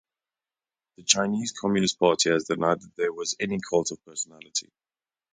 The Chinese Communist Party has denied that there was any cult of personality.